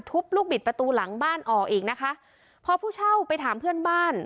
ลูกบิดประตูหลังบ้านออกอีกนะคะพอผู้เช่าไปถามเพื่อนบ้าน